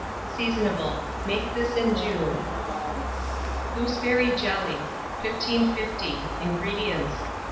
Seasonable. Make this in June. GOOSEBERRY JELLY. 1550. INGREDIENTS.